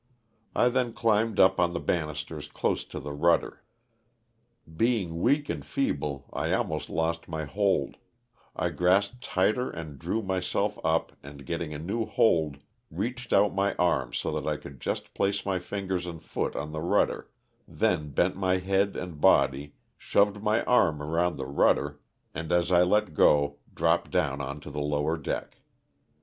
I then climbed up on the banisters close to the rudder; being weak and feeble I almost lost my hold, I grasped tighter and drew my self up and getting a new hold, reached out my arm so that I could just place my fingers and foot on the rudder, then bent my head and body, shoved my arm around the rudder, and as I let go dropped down on to the lower deck.